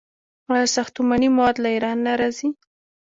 آیا ساختماني مواد له ایران نه راځي؟